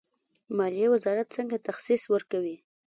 مالیې وزارت څنګه تخصیص ورکوي؟